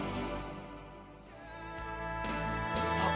あっ。